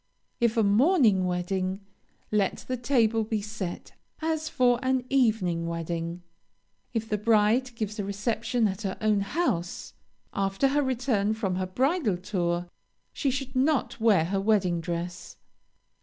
If a morning wedding, let the table be set as for an evening wedding. If the bride gives a reception at her own house, after her return from her bridal tour, she should not wear her wedding dress.